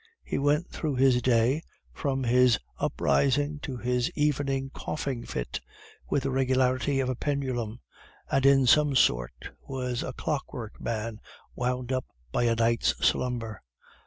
He went through his day, from his uprising to his evening coughing fit, with the regularity of a pendulum, and in some sort was a clockwork man, wound up by a night's slumber.